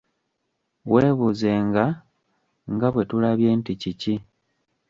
Weebuuzenga nga bwe tulabye nti: Kiki?